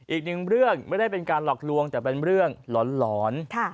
อีกหนึ่งเรื่องไม่ได้เป็นการหลอกลวงแต่เป็นเรื่องหลอน